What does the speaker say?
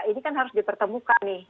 ini kan harus dipertemukan nih